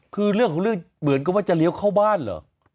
คือเรื่องของเรื่องเหมือนกับว่าจะเลี้ยวเข้าบ้านเหรอ